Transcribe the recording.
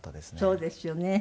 そうですよね。